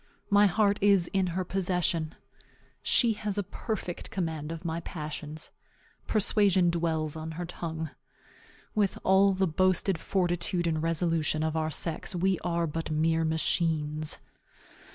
My heart is in her possession. She has a perfect command of my passions. Persuasion dwells on her tongue. With all the boasted fortitude and resolution of our sex, we are but mere machines.